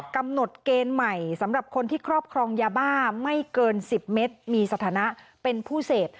กำหนดเกณฑ์ใหม่สำหรับคนที่ครอบครองยาบ้าไม่เกิน๑๐เมตรมีสถานะเป็นผู้เสพ